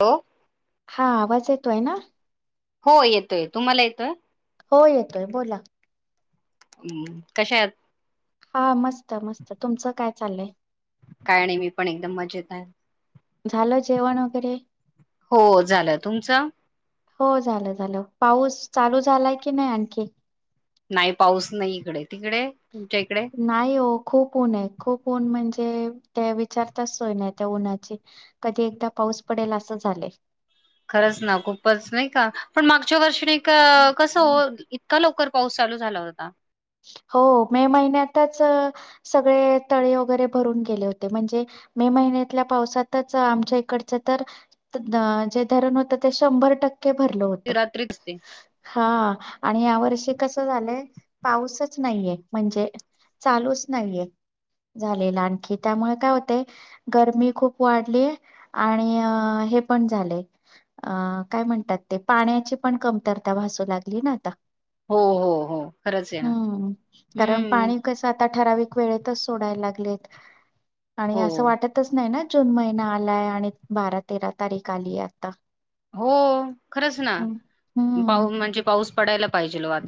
Hello! हा आवाज येतोय ना? हो येतोय, तुम्हाला येतोय? हो येतोय बोला! हम्म अश्या आहात? हा मस्त मस्त, तुमचं काय चाललंय? काय आणि मी पण एकदम मजेत हाय. झाल जेवण वगैरे? च? हो झालं झालं, पाऊस चालू झालाय की नाय आणखी? नाही पाऊस नाही इकडे, तिकडे? तुमच्या इकडे नाही ओ खूप ऊन आहे. खूप ऊन म्हणजे तेअ त्या विचारताच सोय नाही. त्या उन्हाची कधी एकदा पाऊस पडेल असं झालंय. खरंच ना खूपच नाही का, पण मागच्या वर्षी कसं ओ इतकं लवकर पाऊस चालू झाला होता. हो मे महिन्यातचअ सगळे तळे वगैरे भरून गेले होते. म्हणजे मे महिन्यातल्या पावसातच आमच्या इकडचं तर अं जे धरण होतं ते शंभर टक्के भरलं होतं ती रात्रीच ते हा, आणि या वर्षी कस झालंय पाऊसचं नाहीय म्हणजे चालूचं नाहीये झालेला आणखी त्यामुळे काय होतेय गरमी खूप वाढलीय आणि अ हे पण झालेय अ काय म्हणतात ते पाण्याची पण कमतरता भासू लागली ना आता. हो हो हो. खरंच आहे ना हम्म.. कारण हम्म पाणी कसं आता ठराविक वेळेतच सोडायला लागेलं लेत. आणि हो असं वाटतचं नाही ना जून महिना आलाय आणि बारा तेरा तारीख आलीय आता. हो ओ... खरंच ना... हम्म हम्म पाऊ.. म्हणजे पाऊस पडायला पाहिजेलं ओ.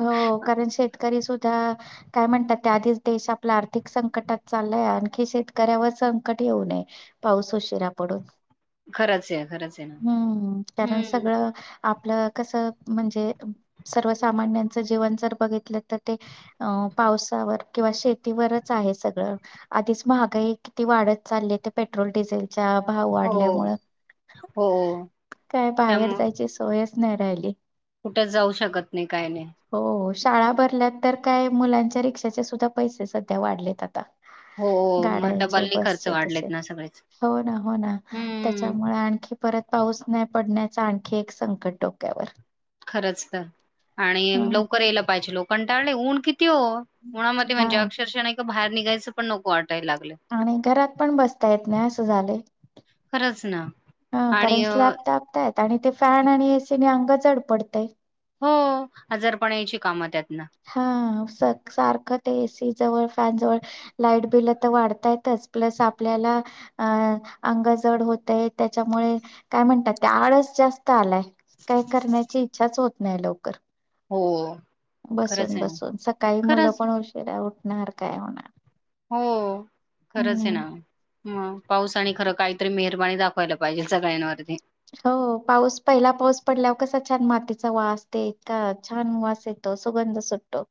हो कारण शेतकरी सुद्धाआ.. काय म्हणतात आधीच देश आपला आर्थिक संकटात चाललाय आणखी शेतकऱ्यावर संकट येऊ नये पाऊस उशिरा पडून. खरंच आहे खरंच आहे ना हम्म कारण हम्म सगळं आपलं कसं अ म्हणजे, अ सर्व सामान्यांच जीवन जर बघितलं तर ते अ पावसावर किंवा शेतीवरच आहे. सगळं आधीच महागाई किती वाढत चालली ते पेट्रोल डिझेल च्या भाव हो वाढल्यामुळे, हो काय बाहेर जायची सोयचं नाय राहली. कुठेचं जाऊ शकतं हो, शाळा भरल्या नंतर काय? मुलांच्या रिक्षाचे सुद्धा पैसे सध्या वाढलेत आता. हो मग गाड्यांचे, डबलनी खर्च बसचे वाढलेत तसेचं, ना सगळेच हो ना, हो ना हम्म त्याच्यामुळे आणखी परत पाऊस नाही पडण्याच आणखी एक संकट डोक्यावर. खरंच तर. आणि अ हा लवकर यायला पाहिजे. लोक कंटाळले. ऊन किती किती ओ? उनामध्ये म्हणजे हा अक्षरशा नाय का बाहेर निघायचं पण नको वाटा आणि घरात पण बसता येत नाय असं झालंय. खरंच ना. हं, आणि कारण अ, स्लॅब टाकटायत. आणि ते फॅन आणि ए सी ने अंग जड पडतय. हो, आजारपण यायची कामं त्यात. हं, स सारखं एसी जवळ फॅन जवळ लाईट बिल तर वाढतातच. प्लस आपल्याला अ अंग जड होतय त्याच्यामुळे काय म्हणतात ते आळस जास्त स्त आलाय. काही करण्याची इच्छाच होत नाही लवकर. हो. खरंच बसून आहे ना बसून सकाळी मुलं खरंच पण उशीरा उठ नार काय होणार? हो, खरंच आहे हम्म ना. हं, पाऊसानी खरं काहीतरी मेहरबानी दाखवायला पाहिजे सगळ्यांवरती. हो पाऊस पहिला पाऊस पडल्यावर कसा छान मातीचा वास ते इतका छान वास येतो, सुगंध सुटतो.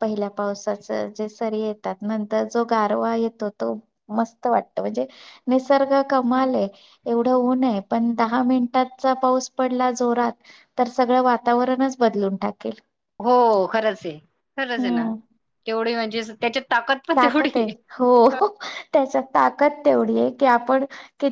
पहिल्या पावसाच जे सरी येतात नंतर जो गारवा येतो तो मस्त वाटतो. म्हणजे निसर्ग कमाल आहे एवढं ऊन आहे, पण दहा मिनिटांचा पाऊस पडला जोरात तर सगळं वातावरणच बदलून टाकेल. हो खरंच आहे, खरच आहे ना. तेवढी म्हणजे जे असं त्याच्यात ताकद पण तेवढी ताकत आहे. हो, त्याच्यात ताकद तेवढी आहे की आपण कित